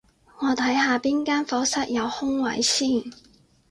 我睇下邊間課室有空位先